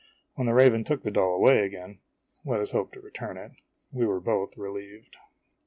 When the raven took the doll away again (let us hope, to return it), we were both relieved.